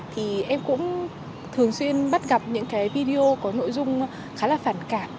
thì em cũng thường xuyên bắt gặp những cái video có nội dung khá là phản cảm